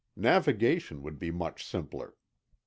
Navigation would be much simpler.